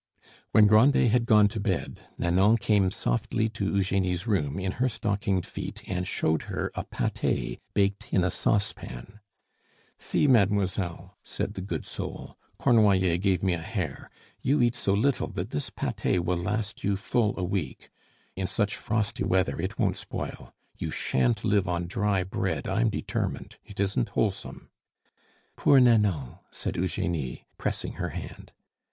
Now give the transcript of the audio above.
When Grandet had gone to bed Nanon came softly to Eugenie's room in her stockinged feet and showed her a pate baked in a saucepan. "See, mademoiselle," said the good soul, "Cornoiller gave me a hare. You eat so little that this pate will last you full a week; in such frosty weather it won't spoil. You sha'n't live on dry bread, I'm determined; it isn't wholesome." "Poor Nanon!" said Eugenie, pressing her hand.